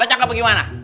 lo cakep bagaimana